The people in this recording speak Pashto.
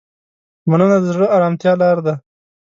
مننه د زړه د ارامتیا لاره ده.